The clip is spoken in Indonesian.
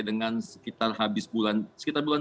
dengan sekitar habis bulan